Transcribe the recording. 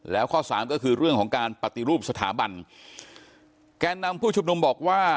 แล้วข้อสามก็คือเรื่องของการปฏิรูปสถาบันแกนนำผู้ชุมนุมบอกว่า